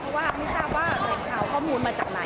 เพราะว่าไม่ทราบว่าแหล่งข่าวข้อมูลมาจากไหน